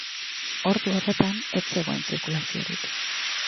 Ordu horretan ez zegoen zirkulaziorik.